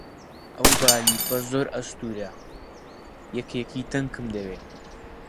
ئەو بالیفە زۆر ئەستوورە، یەکێکی تەنکم دەوێ.